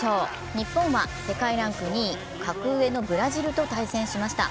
日本は世界ランク２位、格上のブラジルと対戦しました。